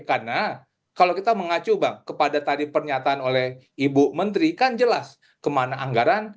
karena kalau kita mengacu bang kepada tadi pernyataan oleh ibu menteri kan jelas kemana anggaran